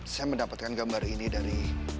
saya mendapatkan gambar ini dari